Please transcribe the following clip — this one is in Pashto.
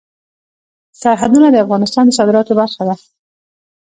سرحدونه د افغانستان د صادراتو برخه ده.